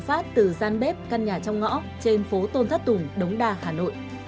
phát từ gian bếp căn nhà trong ngõ trên phố tôn thất tùng đống đa hà nội